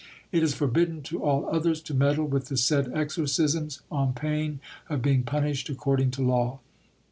"It is forbidden to all others to meddle with the said exorcisms, on pain of being punished according to law."